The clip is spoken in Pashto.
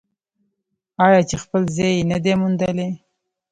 آیا چې خپل ځای یې نه دی موندلی؟